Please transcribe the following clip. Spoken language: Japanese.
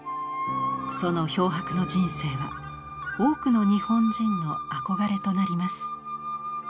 その漂泊の人生は多くの日本人の憧れとなります。